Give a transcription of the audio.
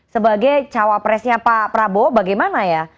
sebagai cawapresnya pak prabowo bagaimana ya